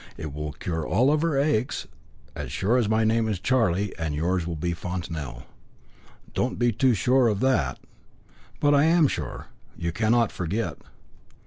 It will cure her of all her aches, as sure as my name is Charlie, and yours will be Fontanel." "Don't be too sure of that." "But I am sure you cannot forget."